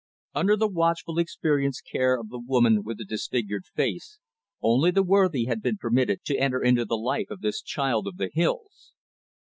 Under the watchful, experienced care of the woman with the disfigured face, only the worthy had been permitted to enter into the life of this child of the hills.